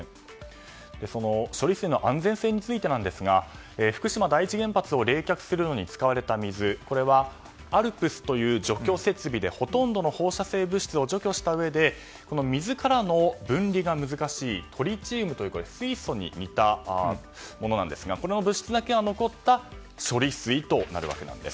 その処理水の安全性についてですが福島第一原発を冷却するのに使われた水はＡＬＰＳという除去設備でほとんどの放射性物質を除去したうえで水からの分離が難しいトリチウムという、これは水素に似たものなんですがこの物質だけが残った処理水となるわけです。